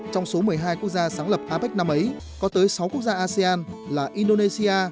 trong số một mươi hai quốc gia sáng lập apec năm ấy có tới sáu quốc gia asean là indonesia